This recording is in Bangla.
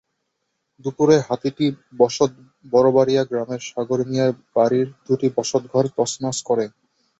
দুপুরে হাতিটি বড়বাড়িয়া গ্রামের সাগর মিয়ার বাড়ির দুটি বসতঘর তছনছ করে।